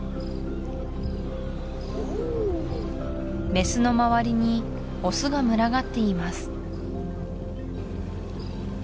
メスの周りにオスが群がっています